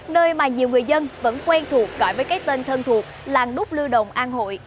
nơi mà nhiều người dân vẫn quen thuộc gọi với cái tên thân thuộc làng đúc lưu đồng an hội